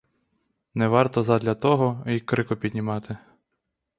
Не варто задля того й крику підіймати.